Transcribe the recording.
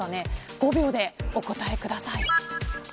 ５秒でお答えください。